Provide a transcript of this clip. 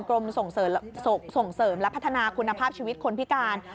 กรมส่งเสริมและพัฒนาคุณภาพชีวิตคนพิการ